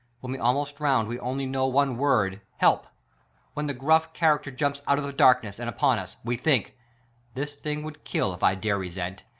When we almost drown we only knov\^ one word: Help! .When the gruff character jumps out of the darkness and upon us, we think : This thing would kill if I dare resent.